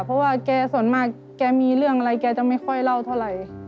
เพราะว่าแกส่วนมากแกมีเรื่องอะไรแกจะไม่ค่อยเล่าเท่าไหร่